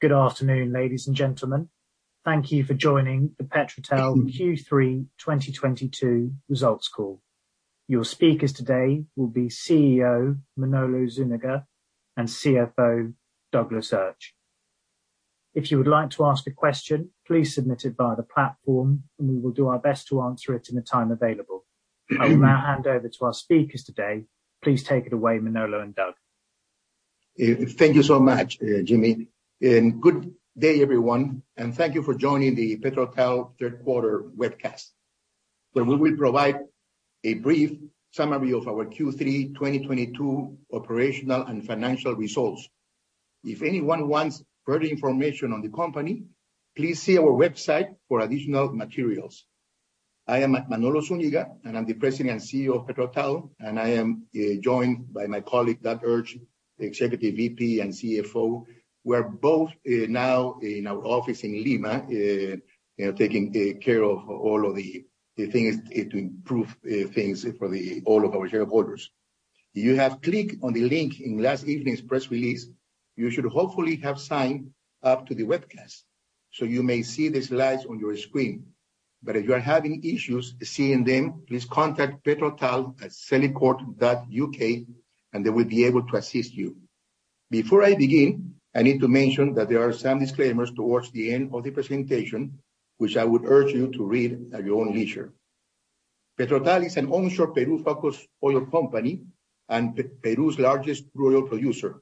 Good afternoon, ladies and gentlemen. Thank you for joining the PetroTal Q3 2022 results call. Your speakers today will be CEO Manolo Zuniga-Pflucker and CFO Douglas Urch. If you would like to ask a question, please submit it via the platform, and we will do our best to answer it in the time available. I will now hand over to our speakers today. Please take it away, Manolo and Doug. Thank you so much, Jimmy Lea, and good day, everyone, and thank you for joining the PetroTal third quarter webcast, where we will provide a brief summary of our Q3 2022 operational and financial results. If anyone wants further information on the company, please see our website for additional materials. I am Manolo Zuniga-Pflucker, and I'm the President and CEO of PetroTal, and I am joined by my colleague, Doug Urch, the Executive VP and CFO. We're both now in our office in Lima, you know, taking care of all of the things to improve things for all of our shareholders. If you have clicked on the link in last evening's press release, you should hopefully have signed up to the webcast, so you may see the Slides on your screen. If you are having issues seeing them, please contact petrotal@celicourt.uk, and they will be able to assist you. Before I begin, I need to mention that there are some disclaimers towards the end of the presentation, which I would urge you to read at your own leisure. PetroTal is an onshore Peru-focused oil company and Peru's largest crude producer.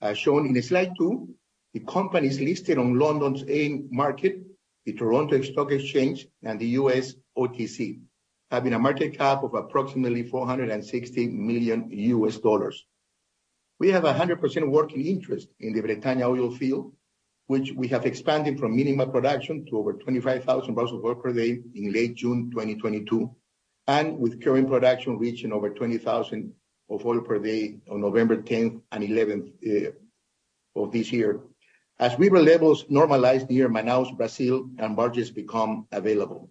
As shown in Slide 2, the company is listed on London's AIM market, the Toronto Stock Exchange, and the U.S. OTC, having a market cap of approximately $460 million. We have a 100% working interest in the Bretaña oil field, which we have expanded from minimal production to over 25,000 barrels of oil per day in late June 2022, and with current production reaching over 20,000 of oil per day on November 10th and 11th of this year. As river levels normalize near Manaus, Brazil, and barges become available,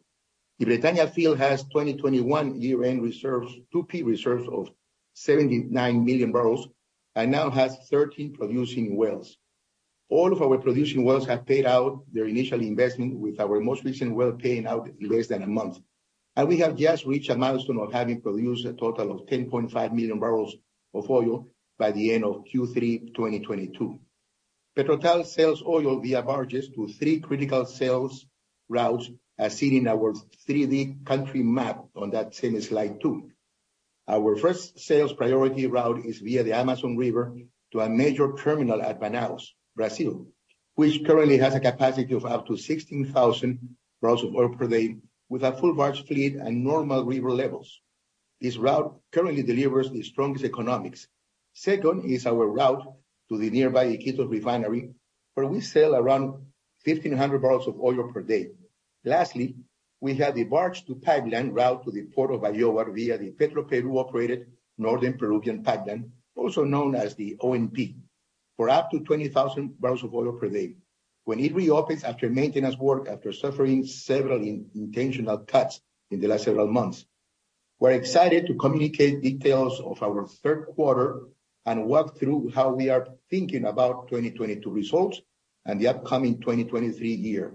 the Bretaña field has 2021 year-end reserves, 2P reserves of 79 million barrels and now has 13 producing wells. All of our producing wells have paid out their initial investment, with our most recent well paying out in less than a month, and we have just reached a milestone of having produced a total of 10.5 million barrels of oil by the end of Q3 2022. PetroTal sells oil via barges to three critical sales routes as seen in our 3D country map on that same Slide 2. Our first sales priority route is via the Amazon River to a major terminal at Manaus, Brazil, which currently has a capacity of up to 16,000 barrels of oil per day with a full barge fleet and normal river levels. This route currently delivers the strongest economics. Second is our route to the nearby Iquitos refinery, where we sell around 1,500 barrels of oil per day. Lastly, we have the barge-to-pipeline route to the Port of Bayovar via the Petroperú-operated Northern Peruvian Pipeline, also known as the ONP, for up to 20,000 barrels of oil per day when it reopens after maintenance work after suffering several unintentional cuts in the last several months. We're excited to communicate details of our third quarter and walk through how we are thinking about 2022 results and the upcoming 2023 year.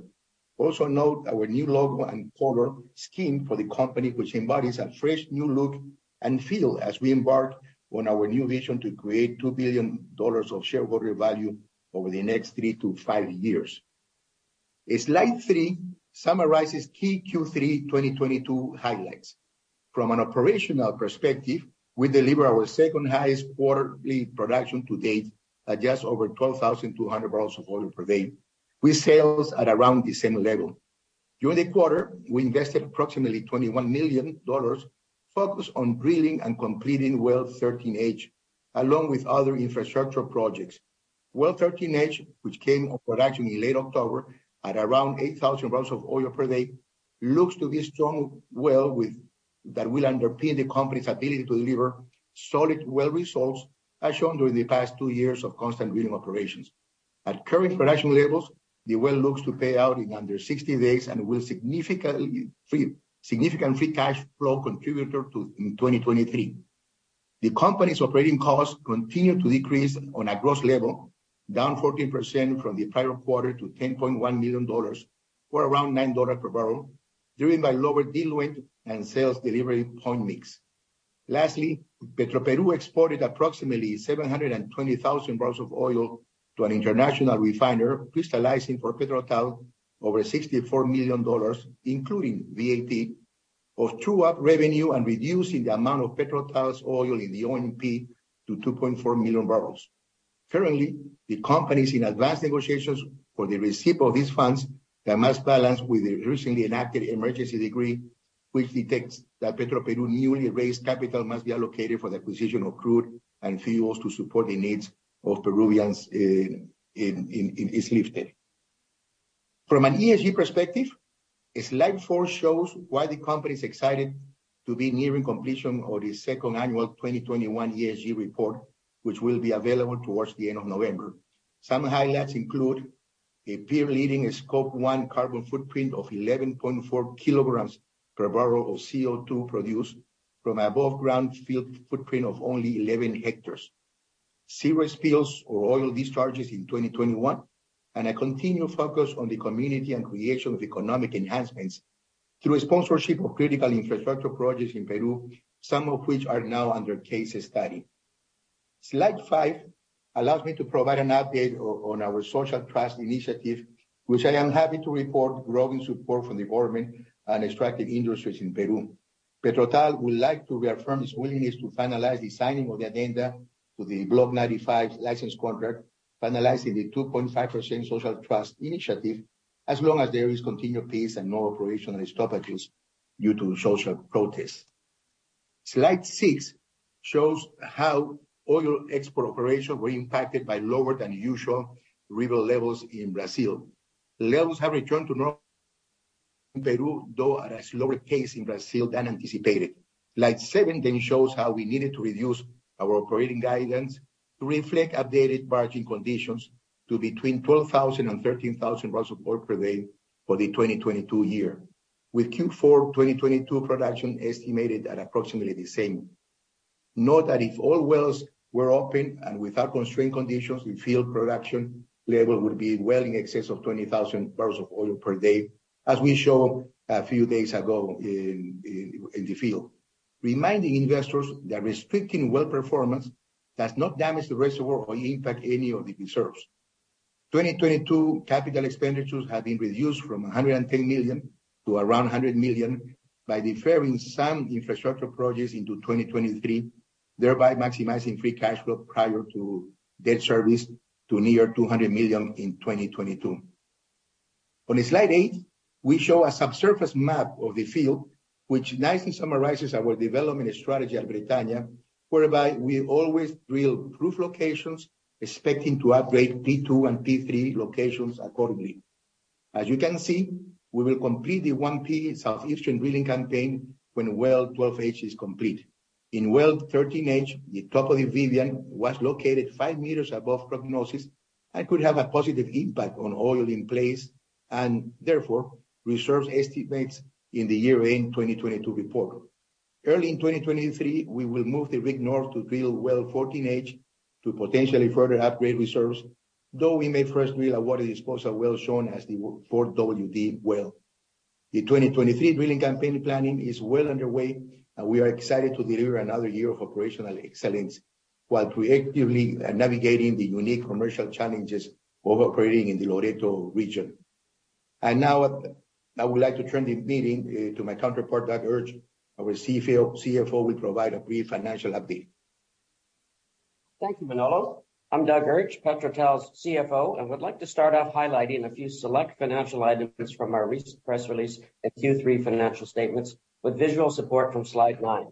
Also note our new logo and color scheme for the company, which embodies a fresh new look and feel as we embark on our new vision to create $2 billion of shareholder value over the next three to five years. Slide three summarizes key Q3 2022 highlights. From an operational perspective, we deliver our second-highest quarterly production to date at just over 12,200 barrels of oil per day, with sales at around the same level. During the quarter, we invested approximately $21 million focused on drilling and completing Well 13H, along with other infrastructure projects. Well 13H, which came on production in late October at around 8,000 barrels of oil per day, looks to be a strong well that will underpin the company's ability to deliver solid well results, as shown during the past two years of constant drilling operations. At current production levels, the well looks to pay out in under 60 days and will significant free cash flow contributor in 2023. The company's operating costs continue to decrease on a gross level, down 14% from the prior quarter to $10.1 million, or around $9 per barrel, driven by lower diluent and sales delivery point mix. Lastly, Petroperú exported approximately 720,000 barrels of oil to an international refiner, crystallizing for PetroTal over $64 million, including VAT, of true-up revenue and reducing the amount of PetroTal's oil in the ONP to 2.4 million barrels. Currently, the company is in advanced negotiations for the receipt of these funds that must balance with the recently enacted emergency decree, which dictates that Petroperú newly raised capital must be allocated for the acquisition of crude and fuels to support the needs of Peruvians in is lifted. From an ESG perspective, Slide 4 shows why the company is excited to be nearing completion of the second annual 2021 ESG report, which will be available towards the end of November. Some highlights include a peer-leading Scope 1 carbon footprint of 11.4 kg per barrel of CO2 produced from above ground field footprint of only 11 hectares. Zero spills or oil discharges in 2021, and a continued focus on the community and creation of economic enhancements through a sponsorship of critical infrastructure projects in Peru, some of which are now under case study. Slide 5 allows me to provide an update on our social trust initiative, which I am happy to report growing support from the government and extractive industries in Peru. PetroTal would like to reaffirm its willingness to finalize the signing of the addenda to the Block 95 license contract, finalizing the 2.5% social trust initiative as long as there is continued peace and no operational stoppages due to social protests. Slide 6 shows how oil export operations were impacted by lower than usual river levels in Brazil. Levels have returned to normal in Peru, though at a slower pace in Brazil than anticipated. Slide 7 then shows how we needed to reduce our operating guidance to reflect updated barging conditions to between 12,000 and 13,000 barrels of oil per day for the 2022 year, with Q4 2022 production estimated at approximately the same. Note that if all wells were open and without constraint conditions, the field production level would be well in excess of 20,000 barrels of oil per day as we showed a few days ago in the field. Reminding investors that restricting well performance does not damage the reservoir or impact any of the reserves. 2022 capital expenditures have been reduced from $110 million to around $100 million by deferring some infrastructure projects into 2023, thereby maximizing free cash flow prior to debt service to near $200 million in 2022. On Slide 8, we show a subsurface map of the field, which nicely summarizes our development strategy at Bretaña, whereby we always drill proved locations expecting to upgrade P2 and P3 locations accordingly. As you can see, we will complete the 1P southeastern drilling campaign when Well 12H is complete. In Well 13H, the top of the Vivian was located 5 m above prognosis and could have a positive impact on oil in place and therefore reserves estimates in the year-end 2022 report. Early in 2023, we will move the rig north to drill Well 14H to potentially further upgrade reserves, though we may first drill a water disposal well shown as the 4WD well. The 2023 drilling campaign planning is well underway, and we are excited to deliver another year of operational excellence while creatively navigating the unique commercial challenges of operating in the Loreto region. Now, I would like to turn the meeting to my counterpart, Doug Urch. Our CFO will provide a brief financial update. Thank you, Manolo. I'm Doug Urch, PetroTal's CFO, and would like to start off highlighting a few select financial items from our recent press release and Q3 financial statements with visual support from Slide 9.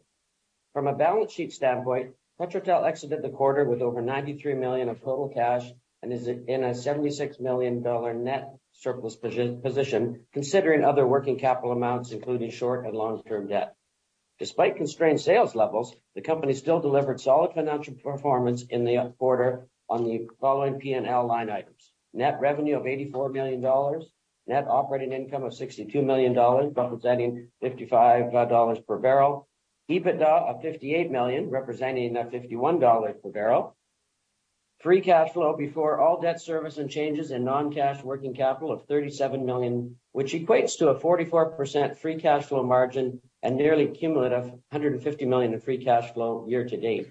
From a balance sheet standpoint, PetroTal exited the quarter with over $93 million of total cash and is in a $76 million net surplus position, considering other working capital amounts, including short and long-term debt. Despite constrained sales levels, the company still delivered solid financial performance in the quarter on the following P&L line items. Net revenue of $84 million. Net operating income of $62 million, representing $55 per barrel. EBITDA of $58 million, representing a $51 per barrel. Free cash flow before all debt service and changes in non-cash working capital of $37 million, which equates to a 44% free cash flow margin and nearly cumulative $150 million in free cash flow year to date.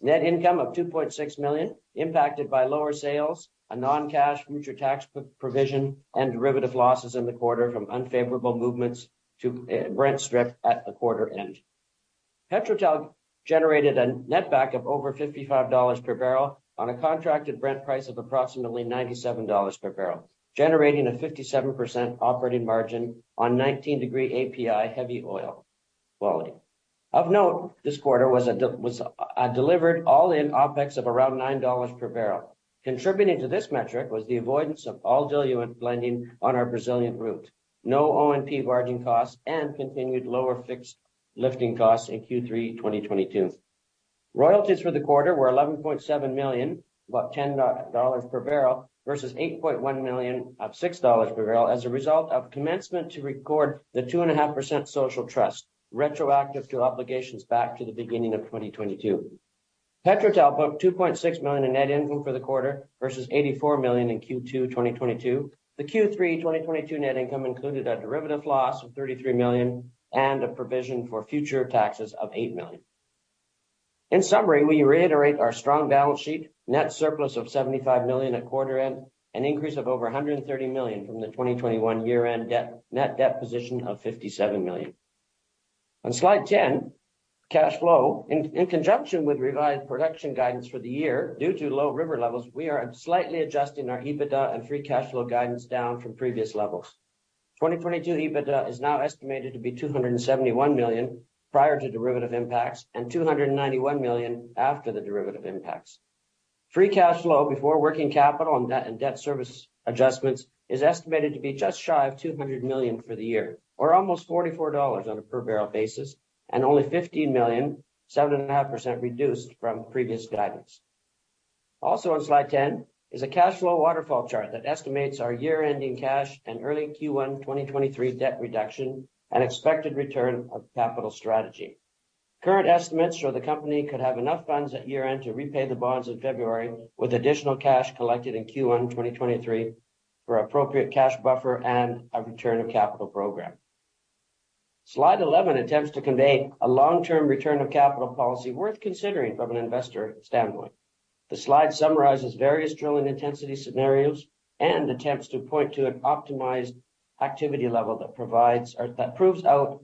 Net income of $2.6 million, impacted by lower sales, a non-cash future tax provision, and derivative losses in the quarter from unfavorable movements to Brent strip at the quarter end. PetroTal generated a netback of over $55 per barrel on a contracted Brent price of approximately $97 per barrel, generating a 57% operating margin on 19 degree API heavy oil quality. Of note, this quarter was delivered all-in OpEx of around $9 per barrel. Contributing to this metric was the avoidance of all diluent blending on our Brazilian route. No ONP barging costs and continued lower fixed lifting costs in Q3 2022. Royalties for the quarter were $11.7 million, about $10 per barrel, versus $8.1 million of $6 per barrel as a result of commencement to record the 2.5% social trust, retroactive to obligations back to the beginning of 2022. PetroTal booked $2.6 million in net income for the quarter versus $84 million in Q2 2022. The Q3 2022 net income included a derivative loss of $33 million and a provision for future taxes of $8 million. In summary, we reiterate our strong balance sheet, net surplus of $75 million at quarter end, an increase of over $130 million from the 2021 year-end net debt position of $57 million. On Slide 10, cash flow. In conjunction with revised production guidance for the year, due to low river levels, we are slightly adjusting our EBITDA and free cash flow guidance down from previous levels. 2022 EBITDA is now estimated to be $271 million prior to derivative impacts and $291 million after the derivative impacts. Free cash flow before working capital and debt service adjustments is estimated to be just shy of $200 million for the year or almost $44 on a per barrel basis and only $15 million, 7.5% reduced from previous guidance. Also on Slide 10 is a cash flow waterfall chart that estimates our year-ending cash and early Q1 2023 debt reduction and expected return of capital strategy. Current estimates show the company could have enough funds at year-end to repay the bonds in February, with additional cash collected in Q1 2023 for appropriate cash buffer and a return of capital program. Slide 11 attempts to convey a long-term return of capital policy worth considering from an investor standpoint. The slide summarizes various drilling intensity scenarios and attempts to point to an optimized activity level that provides or that proves out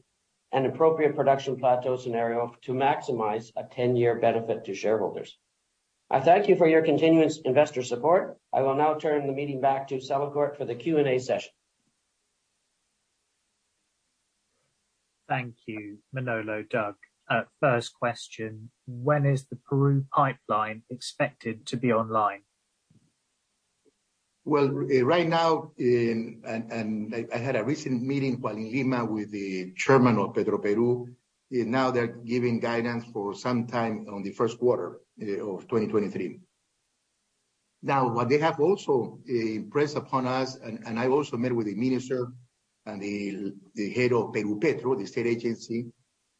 an appropriate production plateau scenario to maximize a 10-year benefit to shareholders. I thank you for your continuous investor support. I will now turn the meeting back to Celicourt for the Q&A session. Thank you, Manolo, Doug. First question. When is the Peru pipeline expected to be online? Well, right now, I had a recent meeting while in Lima with the Chairman of Petroperú. Now they're giving guidance for some time on the first quarter of 2023. Now, what they have also impressed upon us, and I also met with the Minister and the head of Perupetro S.A., the state agency,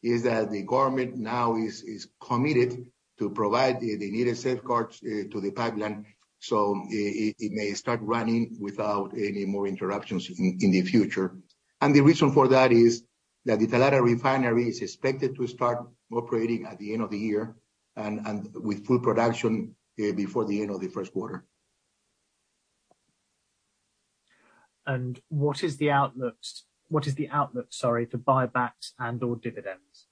is that the government now is committed to provide the needed safeguards to the pipeline, so it may start running without any more interruptions in the future. The reason for that is that the Talara Refinery is expected to start operating at the end of the year and with full production before the end of the first quarter. What is the outlook, sorry, for buybacks and/or dividends?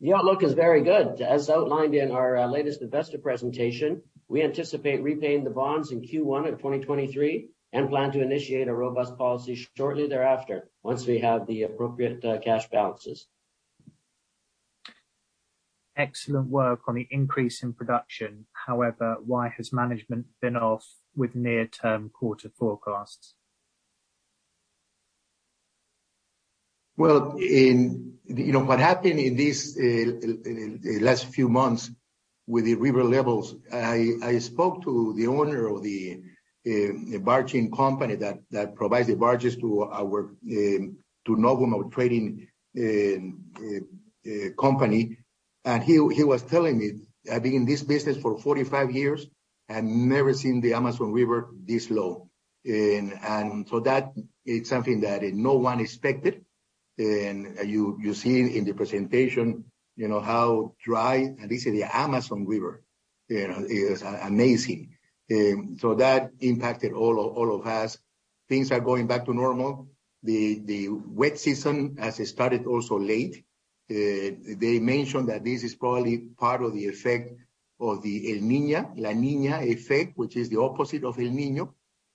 The outlook is very good. As outlined in our latest investor presentation, we anticipate repaying the bonds in Q1 of 2023 and plan to initiate a robust policy shortly thereafter once we have the appropriate cash balances. Excellent work on the increase in production. However, why has management been off with near-term quarter forecasts? Well, you know, what happened in the last few months with the river levels. I spoke to the owner of the barging company that provides the barges to Novum, our trading company. He was telling me, "I've been in this business for 45 years and never seen the Amazon River this low." That is something that no one expected. You seen in the presentation, you know, this is the Amazon River. You know, it is amazing. That impacted all of us. Things are going back to normal. The wet season as it started also late. They mentioned that this is probably part of the effect of the La Niña effect, which is the opposite of El Niño.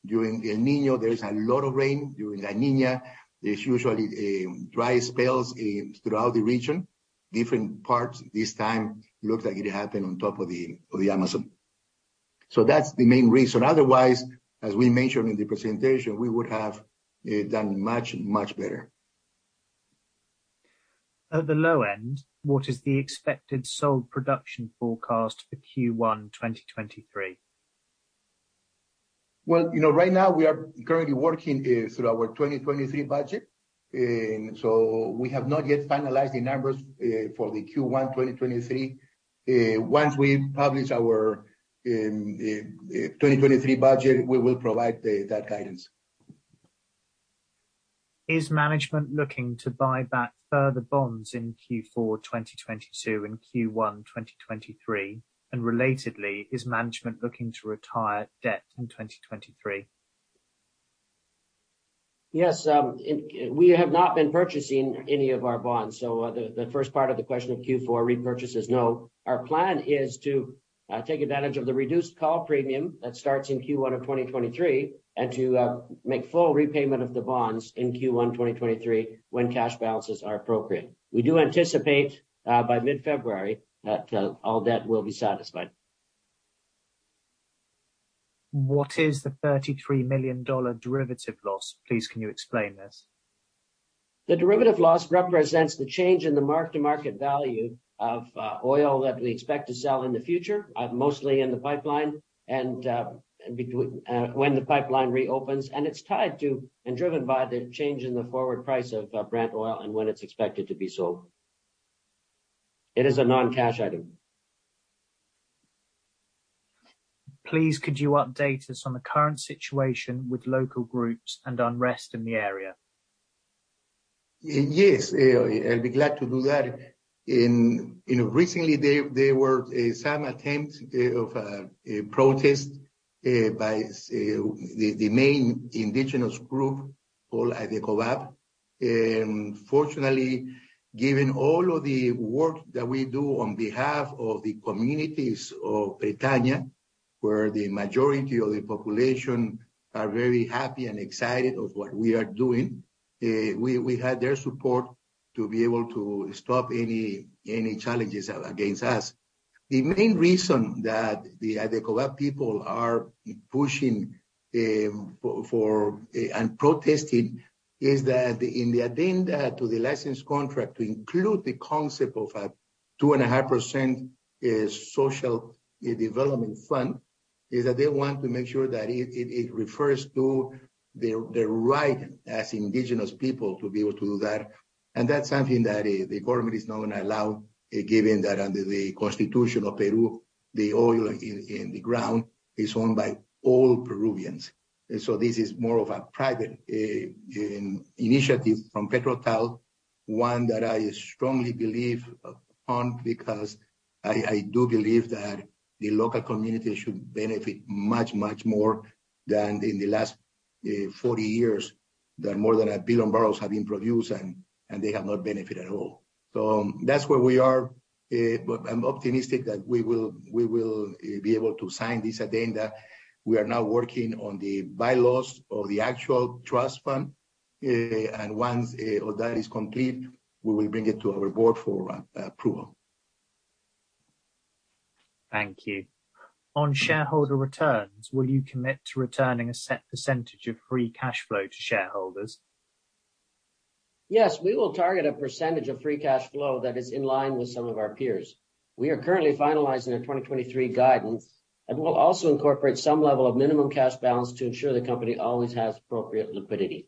During El Niño, there is a lot of rain. During La Niña, there's usually dry spells throughout the region, different parts. This time looks like it happened on top of the Amazon. That's the main reason. Otherwise, as we mentioned in the presentation, we would have done much better. At the low end, what is the expected sold production forecast for Q1 2023? Well, you know, right now we are currently working through our 2023 budget. We have not yet finalized the numbers for the Q1 2023. Once we publish our 2023 budget, we will provide that guidance. Is management looking to buy back further bonds in Q4 2022 and Q1 2023? Relatedly, is management looking to retire debt in 2023? Yes, we have not been purchasing any of our bonds, so the first part of the question of Q4 repurchases, no. Our plan is to take advantage of the reduced call premium that starts in Q1 of 2023 and to make full repayment of the bonds in Q1 2023 when cash balances are appropriate. We do anticipate by mid-February that all debt will be satisfied. What is the $33 million derivative loss? Please, can you explain this? The derivative loss represents the change in the mark-to-market value of oil that we expect to sell in the future, mostly in the pipeline and when the pipeline reopens. It's tied to and driven by the change in the forward price of Brent oil and when it's expected to be sold. It is a non-cash item. Please, could you update us on the current situation with local groups and unrest in the area? Yes, I'll be glad to do that. In, you know, recently there were some attempt of a protest by the main indigenous group called AIDECOBAP. Fortunately, given all of the work that we do on behalf of the communities of Bretaña, where the majority of the population are very happy and excited of what we are doing, we had their support to be able to stop any challenges against us. The main reason that the AIDECOBAP people are pushing for and protested is that in the addenda to the license contract to include the concept of a 2.5% social development fund, is that they want to make sure that it refers to the right as indigenous people to be able to do that. That's something that the government is not gonna allow, given that under the Constitution of Peru, the oil in the ground is owned by all Peruvians. This is more of a private initiative from PetroTal, one that I strongly believe on, because I do believe that the local community should benefit much more than in the last 40 years, that more than 1 billion barrels have been produced and they have not benefited at all. That's where we are. I'm optimistic that we will be able to sign this addenda. We are now working on the bylaws of the actual trust fund. Once all that is complete, we will bring it to our board for approval. Thank you. On shareholder returns, will you commit to returning a set % of free cash flow to shareholders? Yes, we will target a percentage of free cash flow that is in line with some of our peers. We are currently finalizing the 2023 guidance, and we'll also incorporate some level of minimum cash balance to ensure the company always has appropriate liquidity.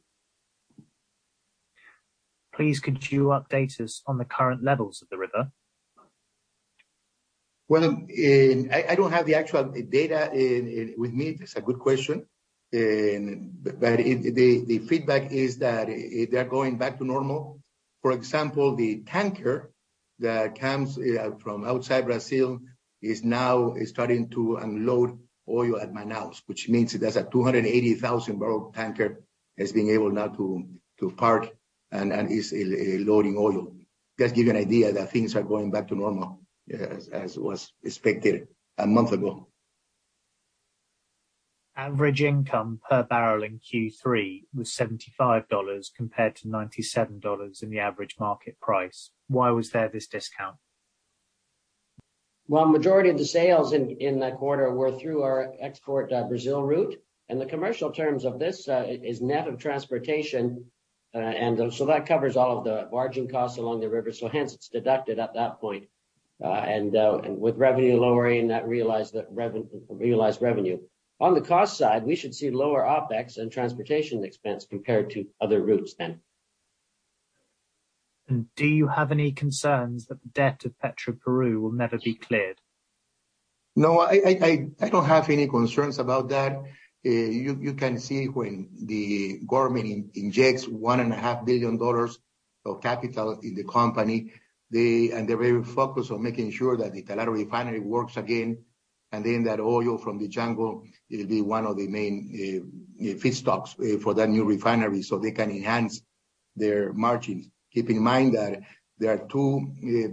Please could you update us on the current levels of the river? Well, I don't have the actual data with me. That's a good question. The feedback is that they're going back to normal. For example, the tanker that comes from outside Brazil is now starting to unload oil at Manaus, which means there's a 280,000 barrel tanker is being able now to park and is loading oil. Just give you an idea that things are going back to normal as was expected a month ago. Average income per barrel in Q3 was $75 compared to $97 in the average market price. Why was there this discount? Well, majority of the sales in that quarter were through our export Brazil route, and the commercial terms of this is net of transportation. That covers all of the margin costs along the river, so hence it's deducted at that point. With revenue lowering, that re-realized revenue. On the cost side, we should see lower OpEx and transportation expense compared to other routes then. Do you have any concerns that the debt of Petroperú will never be cleared? No, I don't have any concerns about that. You can see when the government injects one and a half billion dollars of capital in the company. They're very focused on making sure that the Talara refinery works again. That oil from the jungle, it'll be one of the main feedstocks for that new refinery, so they can enhance their margins. Keep in mind that there are two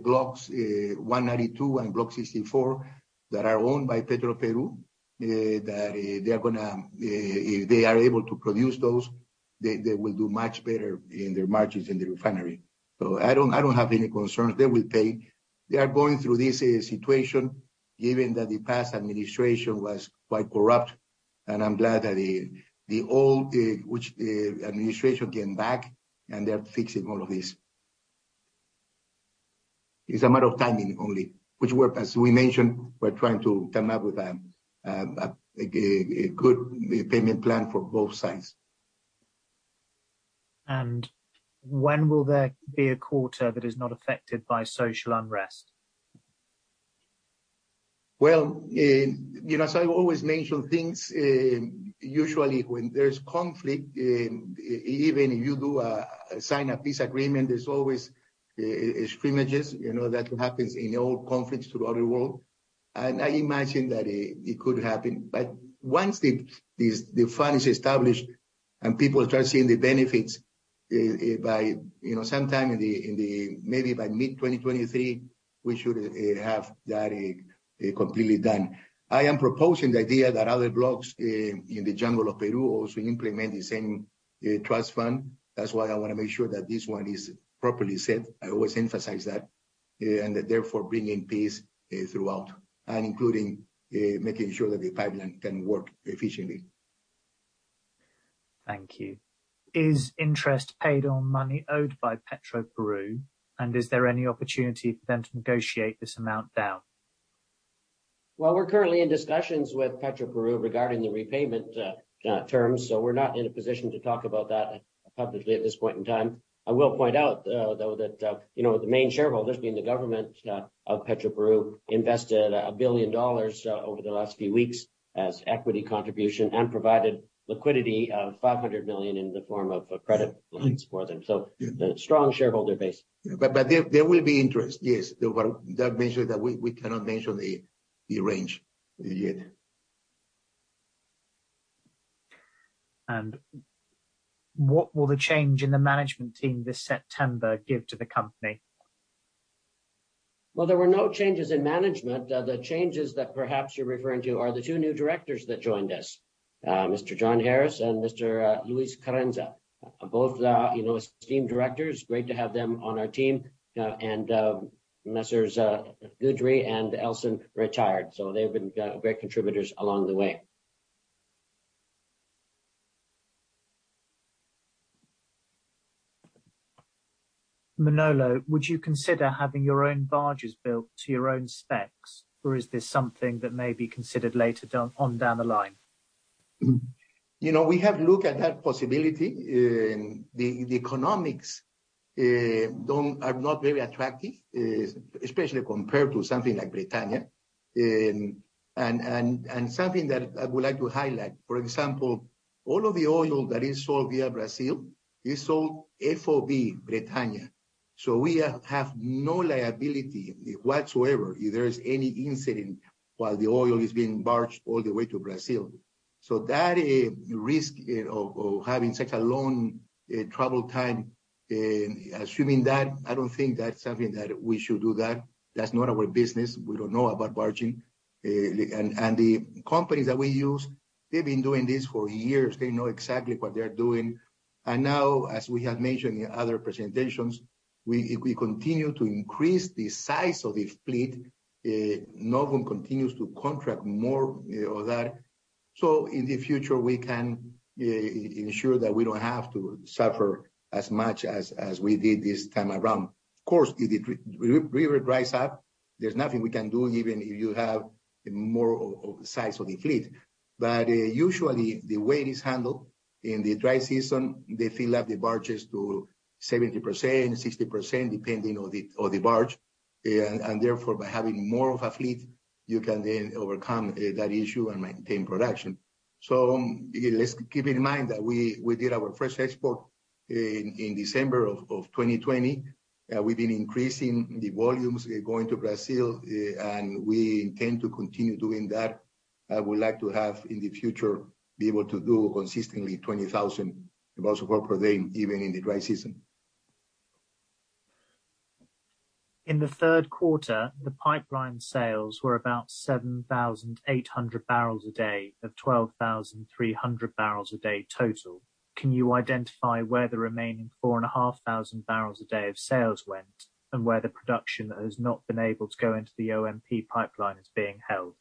blocks, 192 and Block 64, that are owned by Petroperú. If they are able to produce those, they will do much better in their margins in the refinery. I don't have any concerns. They will pay. They are going through this situation, given that the past administration was quite corrupt. I'm glad that the old administration came back, and they're fixing all of this. It's a matter of timing only. As we mentioned, we're trying to come up with a good payment plan for both sides. When will there be a quarter that is not affected by social unrest? Well, you know, as I always mention things, usually when there's conflict, even if you do sign a peace agreement, there's always skirmishes, you know, that happens in all conflicts throughout the world. I imagine that it could happen. Once the fund is established and people start seeing the benefits, by, you know, sometime maybe by mid-2023, we should have that completely done. I am proposing the idea that other blocks in the jungle of Peru also implement the same trust fund. That's why I wanna make sure that this one is properly set. I always emphasize that. Therefore bringing peace throughout and including making sure that the pipeline can work efficiently. Thank you. Is interest paid on money owed by Petroperú, and is there any opportunity for them to negotiate this amount down? Well, we're currently in discussions with Petroperú regarding the repayment terms, so we're not in a position to talk about that publicly at this point in time. I will point out, though, that, you know, the main shareholders, being the government of Petroperú, invested a billion dollars over the last few weeks as equity contribution and provided liquidity of $500 million in the form of credit lines for them. A strong shareholder base. There will be interest. Yes. That means that we cannot mention the range yet. What will the change in the management team this September give to the company? Well, there were no changes in management. The changes that perhaps you're referring to are the two new directors that joined us, Mr. Jon Harris and Mr. Luis Carranza. Both the, you know, esteemed directors, great to have them on our team. Messrs. Guidry and Ellson retired. They've been great contributors along the way. Manolo, would you consider having your own barges built to your own specs, or is this something that may be considered later on down the line? You know, we have looked at that possibility. The economics are not very attractive, especially compared to something like Bretaña. Something that I would like to highlight, for example, all of the oil that is sold via Brazil is sold FOB Bretaña. We have no liability whatsoever if there is any incident while the oil is being barged all the way to Brazil. That risk of having such a long travel time, I don't think that's something that we should do that. That's not our business. We don't know about barging. The companies that we use, they've been doing this for years. They know exactly what they're doing. Now, as we have mentioned in other presentations, we continue to increase the size of the fleet. Novum continues to contract more of that. In the future, we can ensure that we don't have to suffer as much as we did this time around. Of course, if the river dries up, there's nothing we can do, even if you have more of the size of the fleet. Usually the way it is handled in the dry season, they fill up the barges to 70%, 60%, depending on the barge. Therefore, by having more of a fleet, you can then overcome that issue and maintain production. Let's keep in mind that we did our first export in December of 2020. We've been increasing the volumes going to Brazil, and we intend to continue doing that. I would like to have, in the future, be able to do consistently 20,000 barrels of oil per day, even in the dry season. In the third quarter, the pipeline sales were about 7,800 barrels a day of 12,300 barrels a day total. Can you identify where the remaining 4,500 barrels a day of sales went, and where the production that has not been able to go into the ONP pipeline is being held?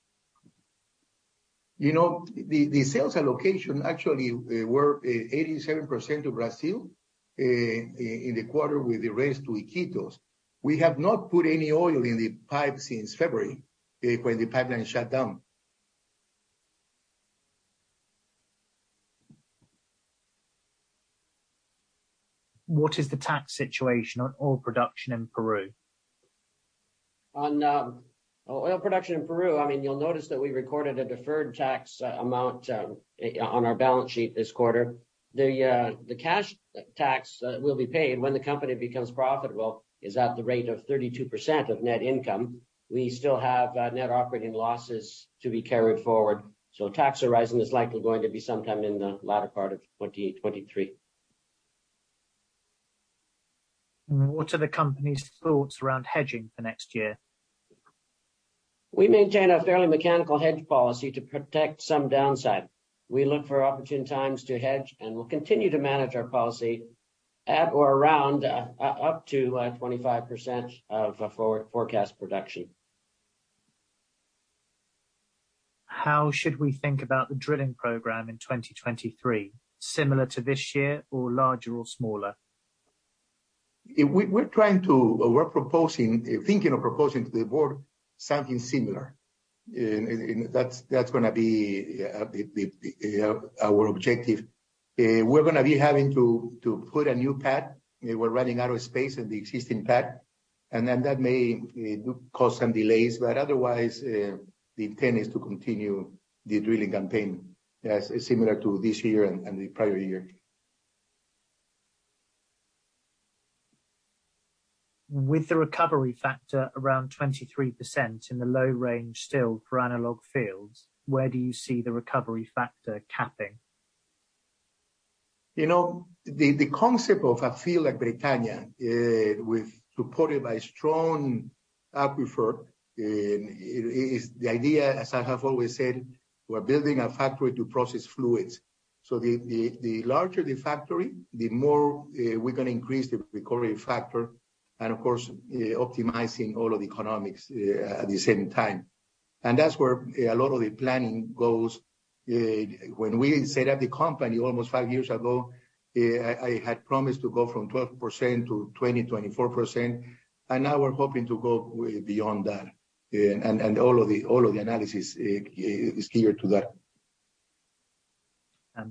You know, the sales allocation actually were 87% to Brazil in the quarter with the rest to Iquitos. We have not put any oil in the pipe since February when the pipeline shut down. What is the tax situation on oil production in Peru? On oil production in Peru, I mean, you'll notice that we recorded a deferred tax amount on our balance sheet this quarter. The cash tax that will be paid when the company becomes profitable is at the rate of 32% of net income. We still have net operating losses to be carried forward. Tax arising is likely going to be sometime in the latter part of 2023. What are the company's thoughts around hedging for next year? We maintain a fairly mechanical hedge policy to protect some downside. We look for opportune times to hedge, and we'll continue to manage our policy up to 25% of forecast production. How should we think about the drilling program in 2023? Similar to this year or larger or smaller? We're thinking of proposing to the board something similar. That's gonna be our objective. We're gonna be having to put a new pad. We're running out of space in the existing pad, and then that may cause some delays. Otherwise, the intent is to continue the drilling campaign as similar to this year and the prior year. With the recovery factor around 23% in the low range still for analog fields, where do you see the recovery factor capping? You know, the concept of a field like Bretaña supported by strong aquifer is the idea, as I have always said, we're building a factory to process fluids. The larger the factory, the more we can increase the recovery factor, and of course, optimizing all of the economics at the same time. That's where a lot of the planning goes. When we set up the company almost five years ago, I had promised to go from 12% to 20%-24%. Now we're hoping to go beyond that. All of the analysis is geared to that.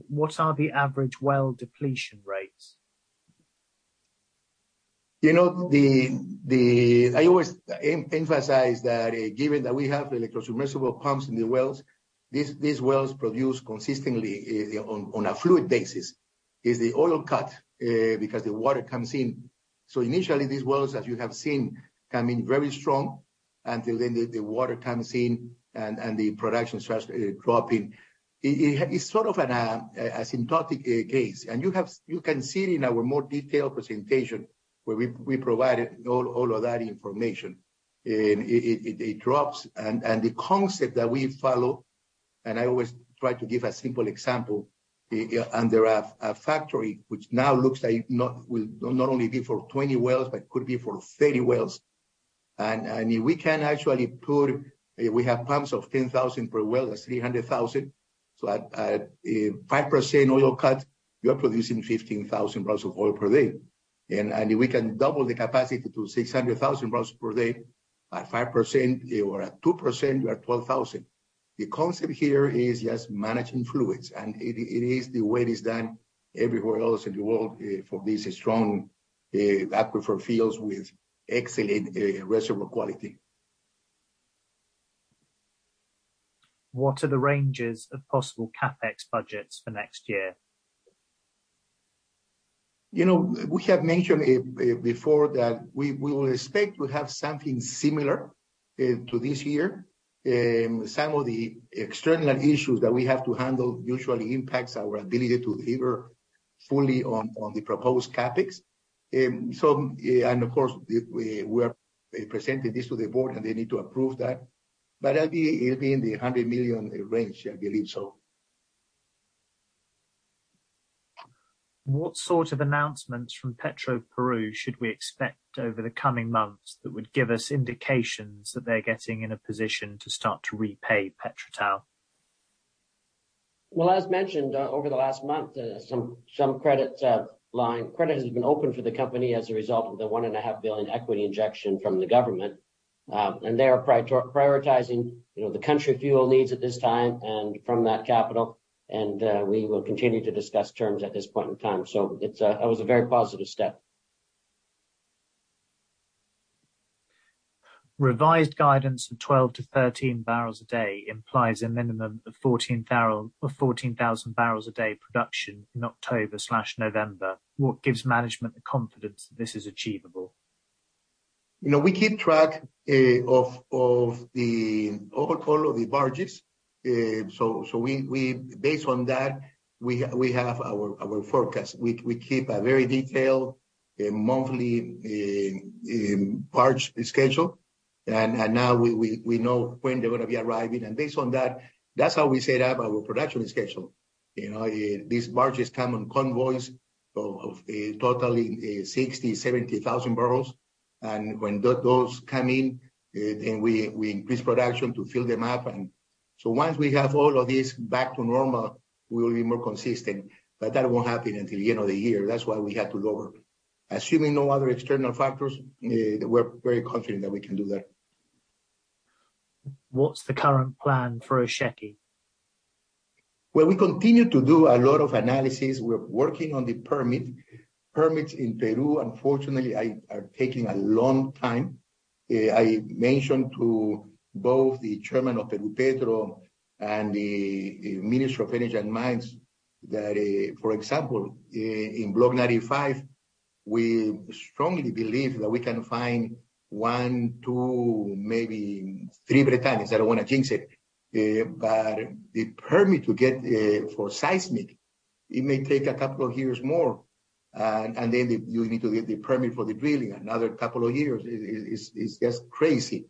What are the average well depletion rates? You know, I always emphasize that given that we have the electric submersible pumps in the wells, these wells produce consistently on a fluid basis. It's the oil cut because the water comes in. Initially, these wells, as you have seen, come in very strong until then the water comes in and the production starts dropping. It's sort of an asymptotic case. You can see it in our more detailed presentation where we provided all of that information. It drops. The concept that we follow, I always try to give a simple example under a factory which now looks like will not only be for 20 wells, but could be for 30 wells. We have pumps of 10,000 per well. That's 300,000. At a 5% oil cut, you are producing 15,000 barrels of oil per day. We can double the capacity to 600,000 barrels per day. At 5% or at 2%, you are at 12,000. The concept here is just managing fluids, and it is the way it is done everywhere else in the world for these strong aquifer fields with excellent reservoir quality. What are the ranges of possible CapEx budgets for next year? You know, we have mentioned before that we will expect to have something similar to this year. Some of the external issues that we have to handle usually impacts our ability to deliver fully on the proposed CapEx. Of course, we are presenting this to the board, and they need to approve that, but it'll be in the $100 million range, I believe so. What sort of announcements from Petroperú should we expect over the coming months that would give us indications that they're getting in a position to start to repay PetroTal? Well, as mentioned, over the last month, some credit has been opened for the company as a result of the $1.5 billion equity injection from the government. They are prioritizing, you know, the country fuel needs at this time and from that capital, and we will continue to discuss terms at this point in time. That was a very positive step. Revised guidance of 12-13 barrels a day implies a minimum of 14,000 barrels a day production in October and November. What gives management the confidence that this is achievable? You know, we keep track of the overall of the barges. Based on that, we have our forecast. We keep a very detailed monthly barge schedule and now we know when they're gonna be arriving. Based on that's how we set up our production schedule. You know, these barges come in convoys of totally 60,000 barrels-70,000 barrels. When those come in, then we increase production to fill them up. Once we have all of this back to normal, we will be more consistent. That won't happen until the end of the year. That's why we had to lower. Assuming no other external factors, we're very confident that we can do that. What's the current plan for Osheki? Well, we continue to do a lot of analysis. We're working on the permit. Permits in Peru, unfortunately, are taking a long time. I mentioned to both the Chairman of Perupetro S.A. and the Minister of Energy and Mines that, for example, in Block 95, we strongly believe that we can find 1, 2, maybe 3 Bretañas. I don't want to jinx it. The permit to get for seismic, it may take a couple of years more. You need to get the permit for the drilling, another couple of years. It's just crazy.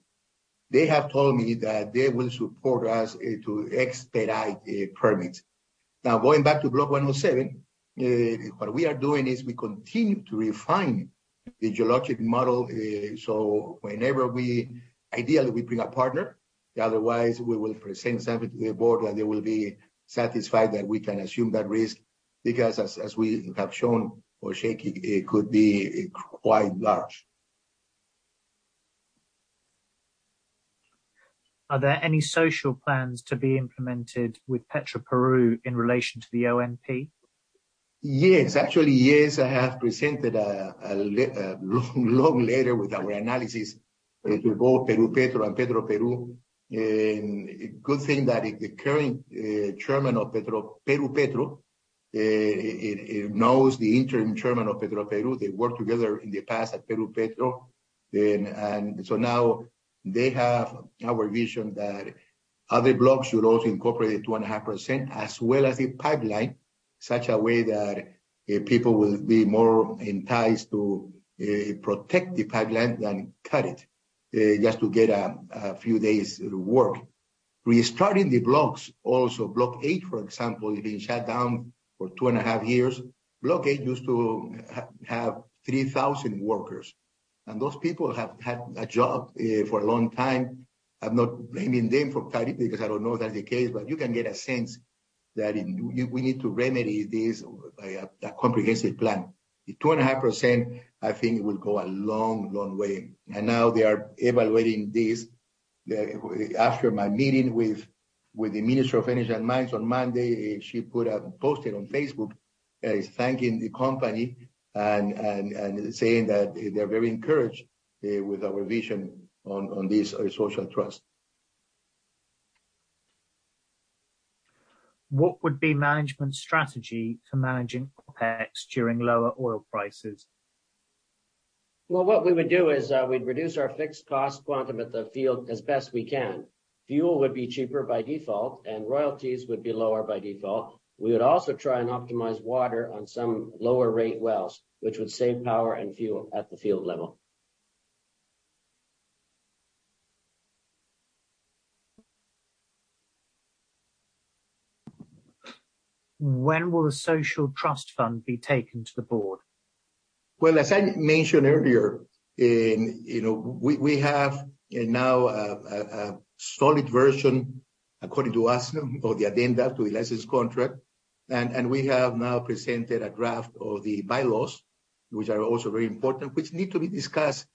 They have told me that they will support us to expedite permits. Now, going back to Block 107, what we are doing is we continue to refine the geologic model, so, ideally we bring a partner. Otherwise, we will present something to the Board, and they will be satisfied that we can assume that risk because as we have shown for Osheki, it could be quite large. Are there any social plans to be implemented with Petroperú in relation to the OMP? Yes. Actually, yes. I have presented a long, long letter with our analysis to both Perupetro S.A. and Petroperú. Good thing that the current Chairman of Perupetro S.A. knows the Interim Chairman of Petroperú. They worked together in the past at Perupetro S.A. Now they have our vision that other blocks should also incorporate 2.5% as well as the pipeline, such a way that people will be more enticed to protect the pipeline than cut it just to get a few days work. Restarting the blocks, also Block 8, for example, it had been shut down for 2.5 years. Block 8 used to have 3,000 workers, and those people have had a job for a long time. I'm not blaming them for cutting because I don't know that's the case, but you can get a sense that we need to remedy this by a comprehensive plan. The 2.5%, I think it will go a long, long way. Now they are evaluating this. After my meeting with the Minister of Energy and Mines on Monday, she posted on Facebook, thanking the company and saying that they're very encouraged with our vision on this social trust. What would be management's strategy for managing CapEx during lower oil prices? Well, what we would do is we'd reduce our fixed cost quantum at the field as best we can. Fuel would be cheaper by default, and royalties would be lower by default. We would also try and optimize water on some lower rate wells, which would save power and fuel at the field level. When will the Social Trust Fund be taken to the Board? Well, as I mentioned earlier, you know, we have now a solid version, according to us, of the addendum to the license contract. We have now presented a draft of the bylaws, which are also very important, which need to be discussed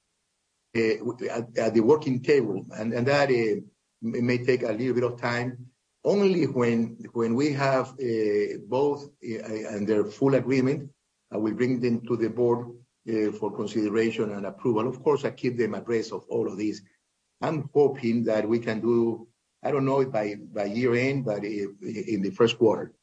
at the working table. It may take a little bit of time. Only when we have both and they're in full agreement, we bring them to the board for consideration approval. Of course, I keep them abreast of all this. I'm hoping that we can do, I don't know if by year-end, but in the first quarter.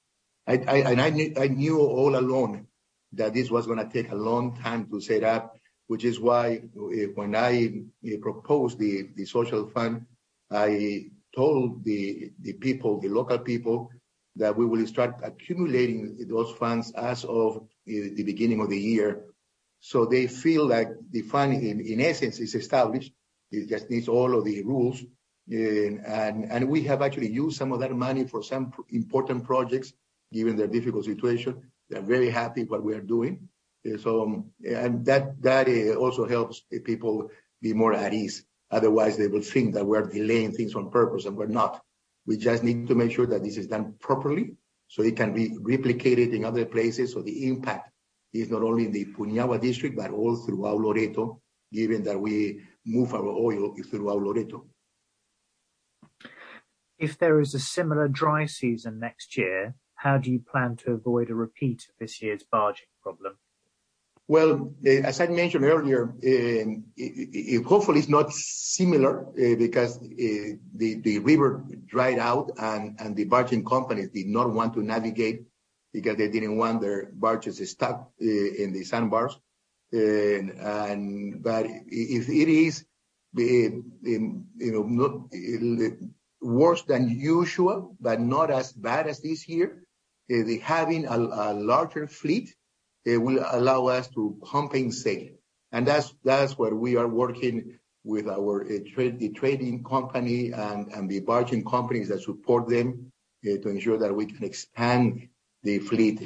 I don't know if by year-end, but in the first quarter. I knew all along that this was gonna take a long time to set up, which is why when I proposed the social fund, I told the people, the local people that we will start accumulating those funds as of the beginning of the year. They feel like the fund, in essence, is established. It just needs all of the rules. We have actually used some of that money for some important projects, given their difficult situation. They're very happy what we are doing. That also helps the people be more at ease. Otherwise, they will think that we're delaying things on purpose, and we're not. We just need to make sure that this is done properly, so it can be replicated in other places. The impact is not only the Puinahua District, but all throughout Loreto, given that we move our oil through our Loreto. If there is a similar dry season next year, how do you plan to avoid a repeat of this year's barging problem? Well, as I mentioned earlier, hopefully it's not similar because the river dried out and the barging companies did not want to navigate because they didn't want their barges stuck in the sandbars. If it is, you know, not worse than usual, but not as bad as this year, having a larger fleet, it will allow us to pump in safety. That's where we are working with the trading company and the barging companies that support them to ensure that we can expand the fleet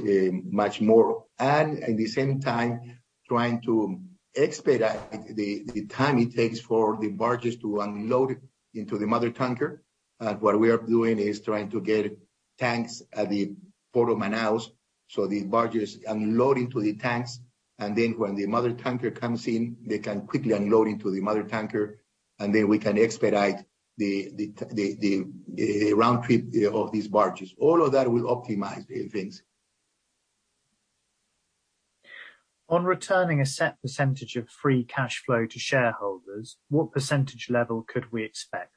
much more. At the same time trying to expedite the time it takes for the barges to unload into the mother tanker. What we are doing is trying to get tanks at the Port of Manaus, so the barges unload into the tanks, and then when the mother tanker comes in, they can quickly unload into the mother tanker, and then we can expedite the round trip of these barges. All of that will optimize things. On returning a set percentage of free cash flow to shareholders, what percentage level could we expect?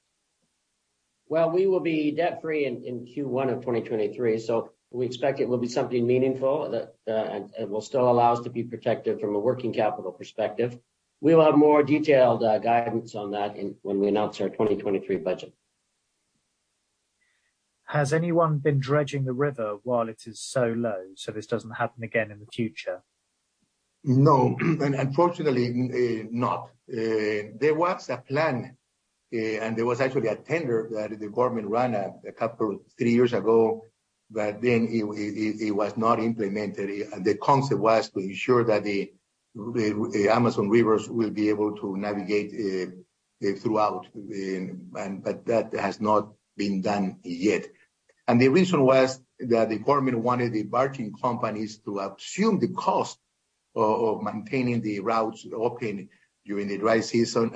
Well, we will be debt-free in Q1 of 2023, so we expect it will be something meaningful that it will still allow us to be protected from a working capital perspective. We will have more detailed guidance on that when we announce our 2023 budget. Has anyone been dredging the river while it is so low, so this doesn't happen again in the future? No. Unfortunately, not. There was a plan and there was actually a tender that the government ran a couple-three years ago, but then it was not implemented. The concept was to ensure that the Amazon rivers will be able to navigate throughout. That has not been done yet. The reason was that the government wanted the barging companies to assume the cost of maintaining the routes open during the dry season.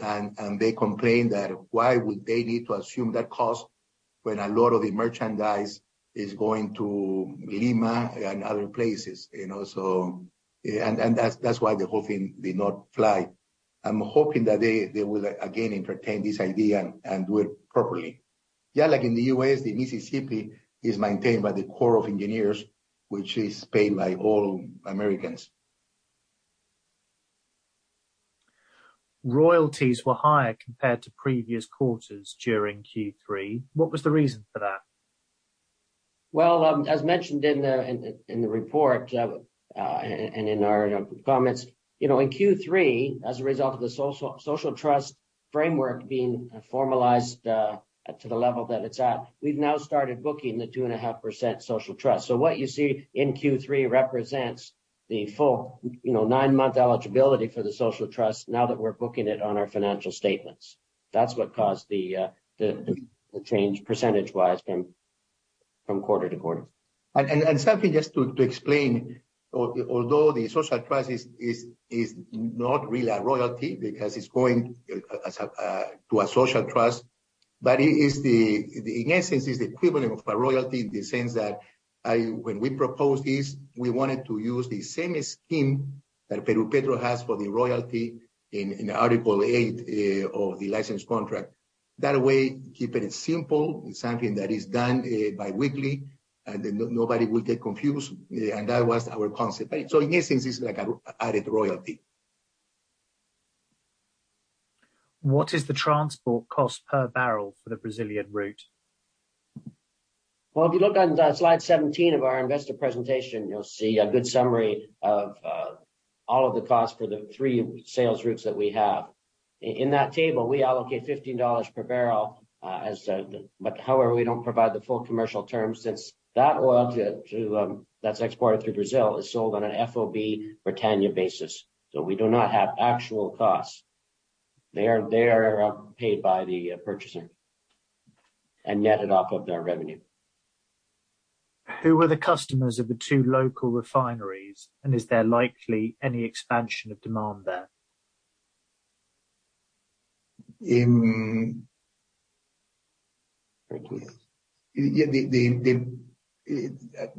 They complained that why would they need to assume that cost when a lot of the merchandise is going to Lima and other places, you know. That's why the whole thing did not fly. I'm hoping that they will again entertain this idea and do it properly. Yeah, like in the U.S., the Mississippi is maintained by the Corps of Engineers, which is paid by all Americans. Royalties were higher compared to previous quarters during Q3. What was the reason for that? Well, as mentioned in the report and in our comments, you know, in Q3, as a result of the social trust framework being formalized to the level that it's at, we've now started booking the 2.5% social trust. What you see in Q3 represents the full, you know, nine-month eligibility for the social trust now that we're booking it on our financial statements. That's what caused the change percentage-wise from quarter to quarter. Something just to explain, although the social trust is not really a royalty because it's going to a social trust, but, in essence, it's the equivalent of a royalty in the sense that when we proposed this, we wanted to use the same scheme that Perupetro S.A. has for the royalty in Article Eight of the license contract. That way, keeping it simple, it's something that is done biweekly, and then nobody will get confused. That was our concept. In essence, it's like a added royalty. What is the transport cost per barrel for the Brazilian route? Well, if you look on Slide 17 of our investor presentation, you'll see a good summary of all of the costs for the three sales routes that we have. In that table, we allocate $15 per barrel. However, we don't provide the full commercial terms since that oil that's exported through Brazil is sold on an FOB Bretaña basis. We do not have actual costs. They are paid by the purchaser and netted off of their revenue. Who are the customers of the two local refineries, and is there likely any expansion of demand there? Yeah,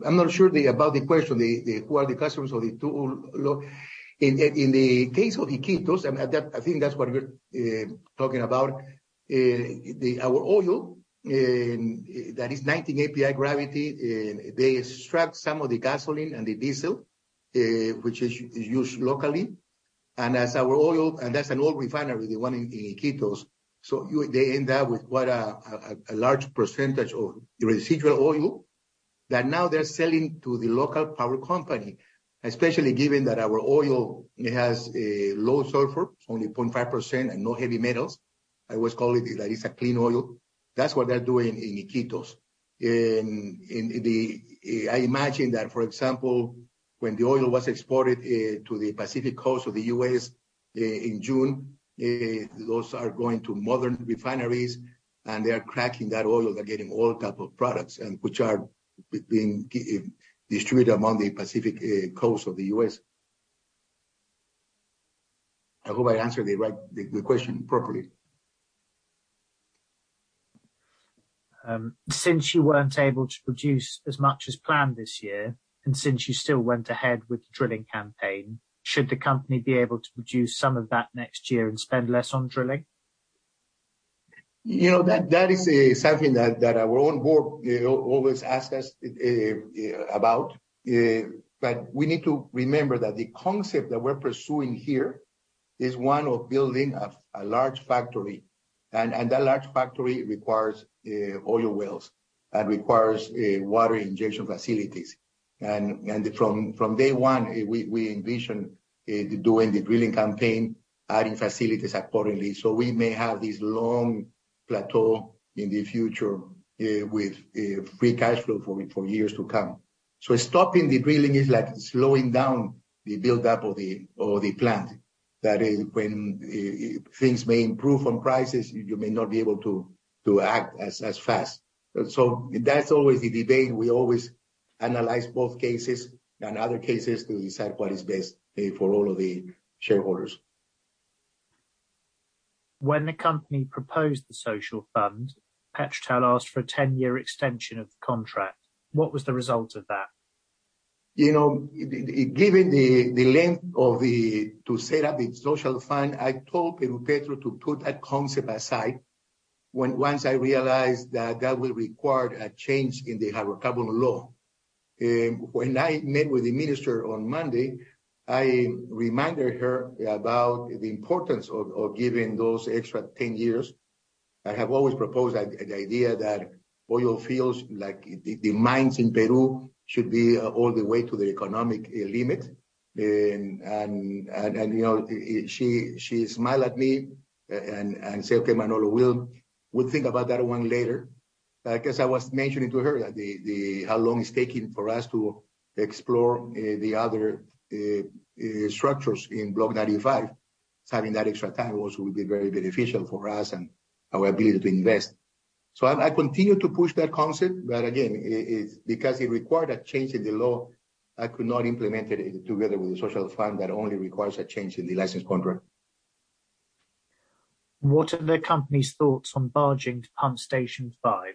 I'm not sure about the question. In the case of Iquitos, I think that's what you're talking about. Our oil that is 19 API gravity, they extract some of the gasoline and the diesel which is used locally. That's an old refinery, the one in Iquitos. They end up with quite a large percentage of residual oil that now they're selling to the local power company, especially given that our oil has a low sulfur, only 0.5%, and no heavy metals. I always call it, like, it's a clean oil. That's what they're doing in Iquitos. I imagine that, for example, when the oil was exported to the Pacific Coast of the U.S. in June, those are going to modern refineries, and they are cracking that oil. They're getting all type of products and which are being distributed among the Pacific Coast of the U.S. I hope I answered the question properly. Since you weren't able to produce as much as planned this year and since you still went ahead with the drilling campaign, should the company be able to produce some of that next year and spend less on drilling? You know, that is something that our own board always ask us about. We need to remember that the concept that we're pursuing here is one of building a large factory. That large factory requires oil wells and requires water injection facilities. From day one, we envision doing the drilling campaign, adding facilities accordingly. We may have this long plateau in the future with free cash flow for years to come. Stopping the drilling is like slowing down the buildup of the plant. That is when things may improve on prices. You may not be able to act as fast. That's always the debate. We always analyze both cases and other cases to decide what is best for all of the shareholders. When the company proposed the social fund, PetroTal asked for a 10-year extension of the contract. What was the result of that? You know, given the length to set up the social fund, I told Petro to put that concept aside once I realized that that will require a change in the hydrocarbon law. When I met with the Minister on Monday, I reminded her about the importance of giving those extra 10 years. I have always proposed the idea that oil fields, like the mines in Peru, should be all the way to the economic limit. You know, she smiled at me and said, "Okay, Manuel, we'll think about that one later." 'Cause I was mentioning to her how long it's taking for us to explore the other structures in Block 95. Having that extra time also would be very beneficial for us and our ability to invest. I continue to push that concept, but again, it's because it required a change in the law, I could not implement it together with the social fund that only requires a change in the license contract. What are the company's thoughts on barging to Pump Station 5?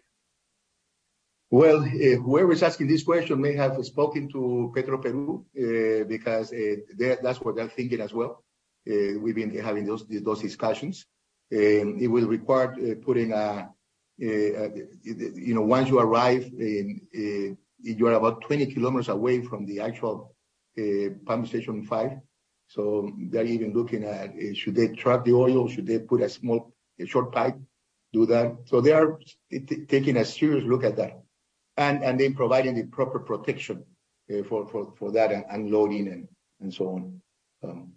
Well, whoever is asking this question may have spoken to Petroperú because that's what they're thinking as well. We've been having those discussions. You know, you're about 20 km away from the actual Pump Station 5. They're even looking at, should they truck the oil? Should they put a short pipe, do that? They are taking a serious look at that. Providing the proper protection for that unloading and so on.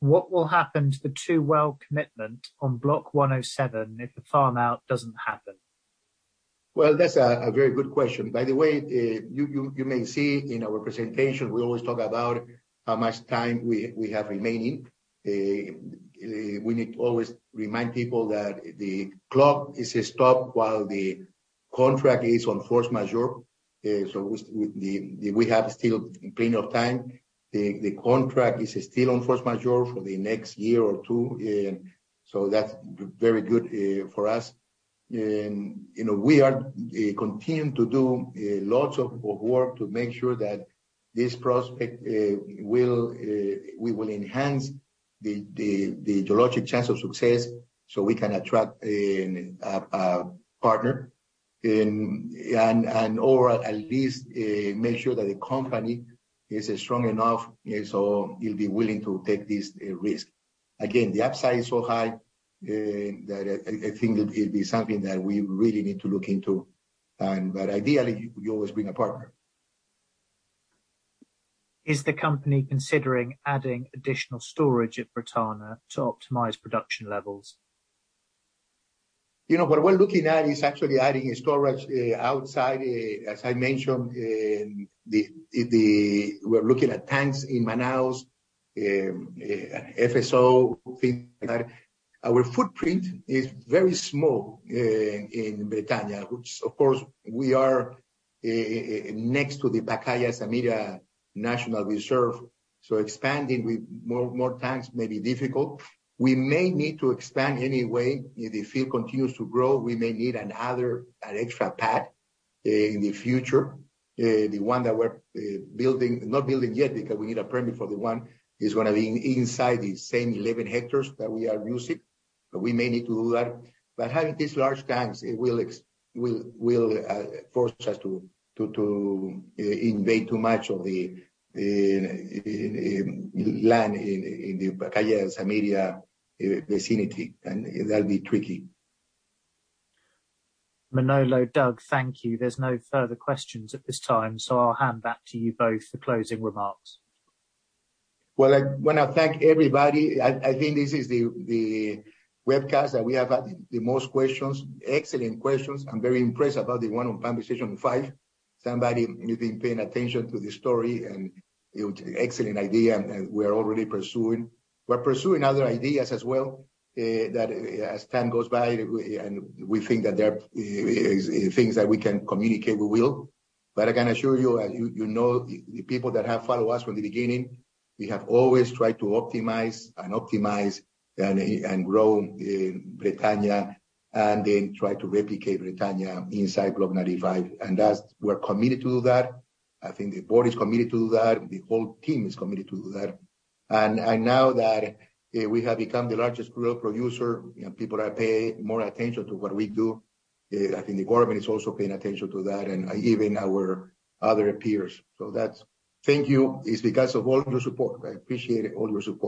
What will happen to the two-well commitment on Block 107 if the farm-out doesn't happen? Well, that's a very good question. By the way, you may see in our presentation, we always talk about how much time we have remaining. We need to always remind people that the clock is stopped while the contract is on force majeure. We have still plenty of time. The contract is still on force majeure for the next year or two. That's very good for us. You know, we are continuing to do lots of work to make sure that we will enhance the geologic chance of success, so we can attract a partner. At least make sure that the company is strong enough so it'll be willing to take this risk. Again, the upside is so high that I think it'll be something that we really need to look into. Ideally, we always bring a partner. Is the company considering adding additional storage at Bretaña to optimize production levels? You know, what we're looking at is actually adding a storage outside. As I mentioned, we're looking at tanks in Manaus, FSO. Our footprint is very small in Bretaña, which of course we are next to the Pacaya-Samiria National Reserve, so expanding with more tanks may be difficult. We may need to expand anyway. If the field continues to grow, we may need another, an extra pad in the future. The one that we're not building yet because we need a permit for the one, is gonna be inside the same 11 hectares that we are using, but we may need to do that. Having these large tanks, it will force us to invade too much of the land in the Pacaya-Samiria vicinity, and that'll be tricky. Manolo, Doug, thank you. There's no further questions at this time, so I'll hand back to you both for closing remarks. Well, I wanna thank everybody. I think this is the webcast that we have had the most questions, excellent questions. I'm very impressed about the one on Pump Station 5. Somebody, you've been paying attention to the story, and it was excellent idea, and we are already pursuing. We're pursuing other ideas as well that as time goes by, and we think that there is things that we can communicate, we will. I can assure you, as you know, the people that have followed us from the beginning, we have always tried to optimize and optimize and grow Bretaña, and then try to replicate Bretaña inside Block 95. As we're committed to do that, I think the board is committed to do that, the whole team is committed to do that. Now that we have become the largest crude oil producer, and people are paying more attention to what we do, I think the government is also paying attention to that, and even our other peers. Thank you. It's because of all your support. I appreciate all your support.